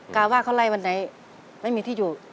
ว่าเขาไล่วันไหนไม่มีที่อยู่